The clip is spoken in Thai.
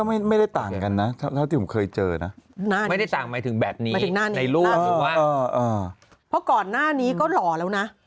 เพราะก่อนหน้านี้ก็หล่อแล้วนะ